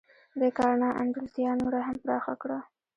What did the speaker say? دې کار نا انډولتیا نوره هم پراخه کړه